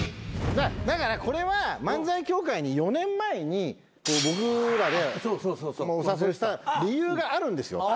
だからこれは漫才協会に４年前に僕らでお誘いした理由があるんですよ。